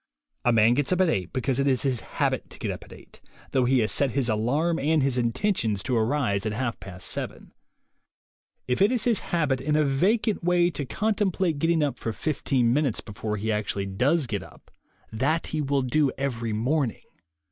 A man gets up at eight because it is his habit to get up at eight, though he has set his alarm and his intentions to arise at half past seven. If it is his habit in a vacant way to contemplate getting up for fifteen minutes before he actually does get up, 66 THE WAY TO WILL POWER that he will do every morning.